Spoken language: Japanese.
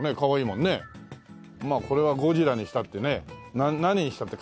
まあこれはゴジラにしたってね何にしたって変えられるもんね。